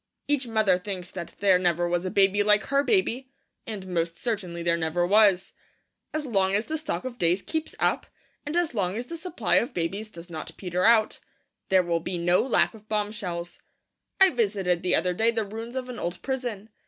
Each mother thinks that there never was a baby like her baby; and most certainly there never was. As long as the stock of days keeps up, and as long as the supply of babies does not peter out, there will be no lack of bombshells. I visited the other day the ruins of an old prison.